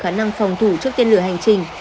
khả năng phòng thủ trước tên lửa hành trình